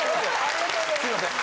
すいません！